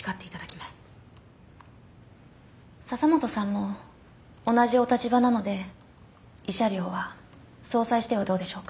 笹本さんも同じお立場なので慰謝料は相殺してはどうでしょうか？